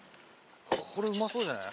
これうまそうじゃない？